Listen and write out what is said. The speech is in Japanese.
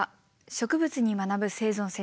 「植物に学ぶ生存戦略」。